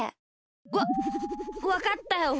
わっわかったよ。